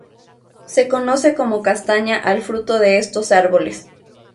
Se conoce como castaña al fruto de estos árboles.